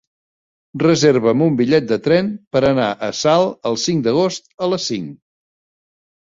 Reserva'm un bitllet de tren per anar a Salt el cinc d'agost a les cinc.